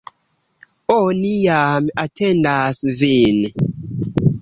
Oni jam atendas vin!